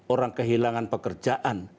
orang kehilangan pekerjaan